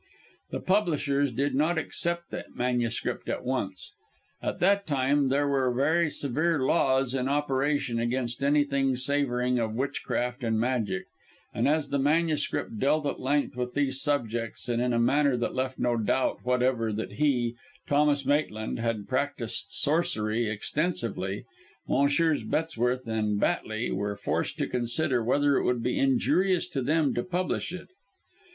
The publishers did not accept the MS. at once. At that time there were very severe laws in operation against anything savouring of witchcraft and magic, and as the manuscript dealt at length with these subjects, and in a manner that left no doubt whatever that he, Thomas Maitland, had practised sorcery extensively, Messrs. Bettesworth and Batley were forced to consider whether it would be injurious to them to publish it.